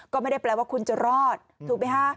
ก็ไม่ได้แปลว่าคุณจะรอดถูกไหมฮะ